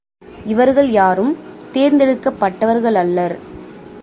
இவர்கள் யாரும் தேர்ந்தெடுக்கப் பட்டவர்களல்லர்.